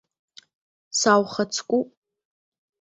Сааухаҵкуп!